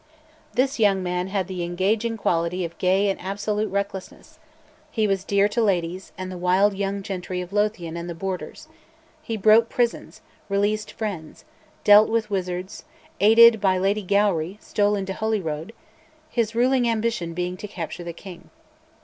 This young man had the engaging quality of gay and absolute recklessness; he was dear to ladies and the wild young gentry of Lothian and the Borders; he broke prisons, released friends, dealt with wizards, aided by Lady Gowrie stole into Holyrood, his ruling ambition being to capture the king.